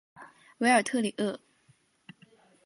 韦尔特里厄。